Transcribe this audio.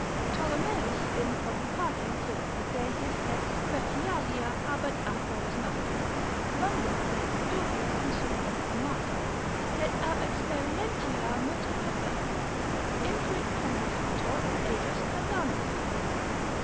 Ptolomeus in quadripart. plura de his et specialia habet aphorismata, longo proculdubio usu confirmata, et ab experientia multa perfecta, inquit commentator ejus Cardanus.